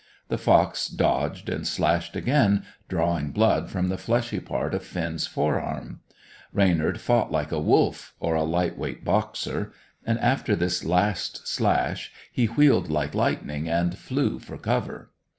The fox dodged and slashed again, drawing blood from the fleshy part of Finn's fore arm. Reynard fought like a wolf, or a light weight boxer; and after this last slash, he wheeled like lightning and flew for cover.